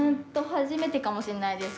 初めてかもしれないです。